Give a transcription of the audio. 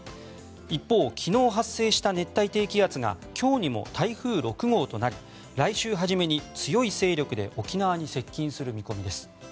一方、昨日発生した熱帯低気圧が今日にも台風６号となり来週初めに強い勢力で沖縄に接近する見込みです。